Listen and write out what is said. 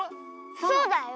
そうだよ。